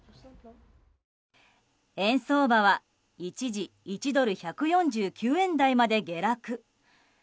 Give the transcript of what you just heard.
円相場は一時１ドル＝１４９円台まで下落。